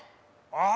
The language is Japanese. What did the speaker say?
ああ！